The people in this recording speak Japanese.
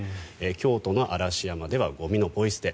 京都の嵐山ではゴミのポイ捨て。